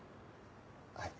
はい。